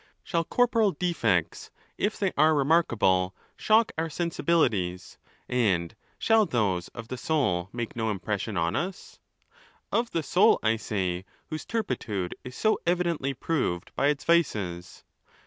Shall corporal defects, if they are remarkable, shock our sensibilities, and shall those of the soul make no impression on us?!—of the soul, I say, whose turpitude is so evidently proved by its vices.